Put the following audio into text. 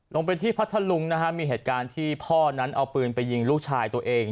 ลงไปที่พัทธลุงนะฮะมีเหตุการณ์ที่พ่อนั้นเอาปืนไปยิงลูกชายตัวเอง